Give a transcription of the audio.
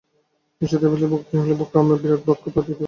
ইষ্ট-দেবতাবিশেষে ভক্তি হলে ক্রমে বিরাট ব্রহ্মে প্রীতি হতে পারে।